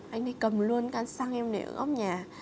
anh ấy cầm luôn căn xăng em để ở góc nhà